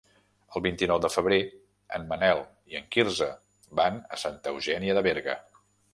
El vint-i-nou de febrer en Manel i en Quirze van a Santa Eugènia de Berga.